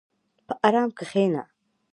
په ارام کښېنه.